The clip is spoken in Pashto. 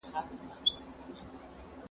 له فرضیې وړاندې خپله اصلي مسله وپېژنئ.